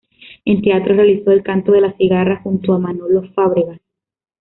En teatro realizó "El canto de la cigarra", junto a Manolo Fábregas.